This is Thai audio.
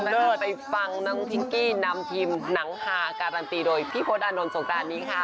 เออไปฟังน้องพิงกี้นำทีมหนังฮาการันตีโดยพี่โพธานนท์สงการนี้ค่ะ